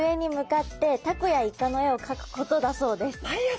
毎朝？